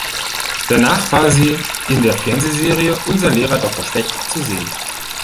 Danach war sie in der Fernsehserie "Unser Lehrer Doktor Specht" zu sehen.